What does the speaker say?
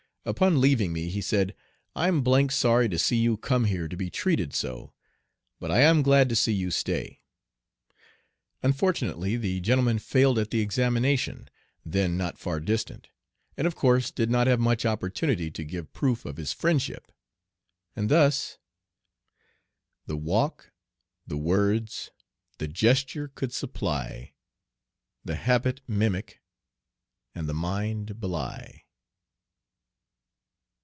Upon leaving me he said, "I'm d d sorry to see you come here to be treated so, but I am glad to see you stay." Unfortunately the gentleman failed at the examination, then not far distant, and of course did not have much opportunity to give proof of his friendship. And thus, "The walk, the words, the gesture could supply, The habit mimic and the mien belie."